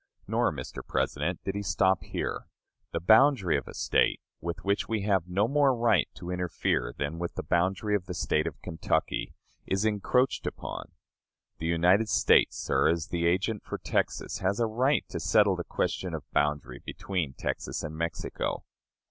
Nor, Mr. President, did he stop here. The boundary of a State, with which we have no more right to interfere than with the boundary of the State of Kentucky, is encroached upon. The United States, sir, as the agent for Texas, had a right to settle the question of boundary between Texas and Mexico.